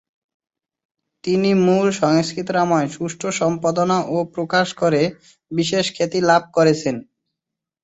তিনি মূল সংস্কৃত রামায়ণ সুষ্ঠু সম্পাদনা ও প্রকাশ করে বিশেষ খ্যাতি লাভ করেছেন।